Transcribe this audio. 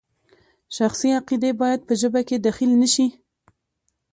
شخصي عقیدې باید په ژبه کې دخیل نشي.